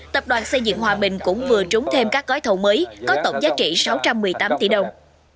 tập đoàn xây dựng hòa bình cũng vừa trúng thêm các gói thầu mới có tổng giá trị sáu trăm một mươi tám tỷ đồng